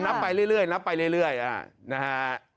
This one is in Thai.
นับไปเรื่อยเรื่อยนับไปเรื่อยเรื่อยอ่านะฮะ